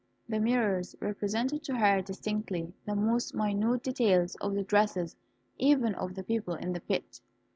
The mirrors represented to her distinctly the most minute details of the dresses even of the people in the pit.